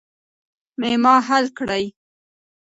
معما حل کړئ.